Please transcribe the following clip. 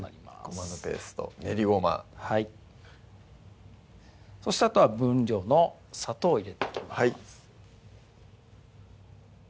ごまのペースト練りごまはいそしてあとは分量の砂糖を入れていきます